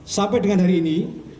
sampai dengan hari ini